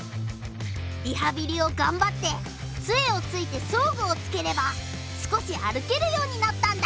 リハビリをがんばってつえをついて装具をつければ少し歩けるようになったんだ。